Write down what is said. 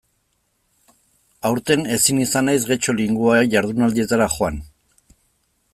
Aurten ezin izan naiz Getxo Linguae jardunaldietara joan.